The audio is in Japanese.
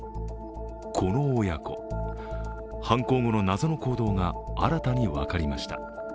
この親子、犯行後の謎の行動が新たに分かりました。